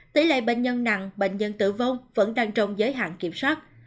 tỷ lệ bệnh nhân nặng bệnh nhân tử vong vẫn đang trong giới hạn kiểm soát